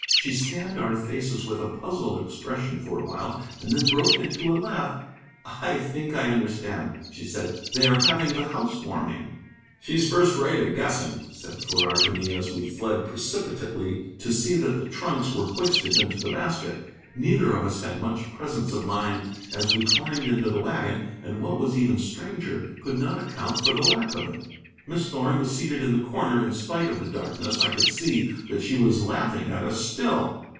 She scanned our faces with a puzzled expression for a while and then broke into a laugh. "I think I understand," she said; "they are having the house warming." "She's first rate at guessing," said Farrar to me as we fled precipitately to see that the trunks were hoisted into the basket. Neither of us had much presence of mind as we climbed into the wagon, and, what was even stranger, could not account for the lack of it. Miss Thorn was seated in the corner; in spite of the darkness I could see that she was laughing at us still.